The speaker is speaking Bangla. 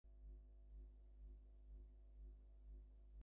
তাহা হইলে তোমার শাসন হইতে আমাকে কেহই কিছুতেই টলাইতে পারিবে না।